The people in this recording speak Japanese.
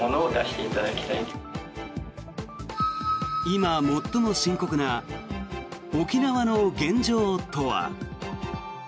今、最も深刻な沖縄の現状とは。